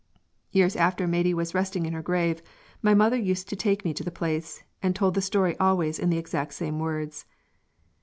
Years after Maidie was resting in her grave, my mother used to take me to the place, and told the story always in the exact same words."